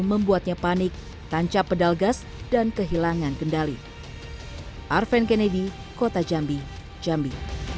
membuatnya panik tancap pedal gas dan kehilangan kendali arven kennedy kota jambi jambi